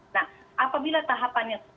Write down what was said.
nah apabila tahapannya